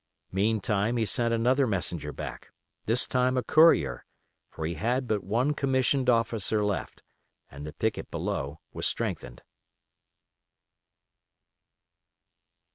Meantime he sent another messenger back, this time a courier, for he had but one commissioned officer left, and the picket below was strengthened.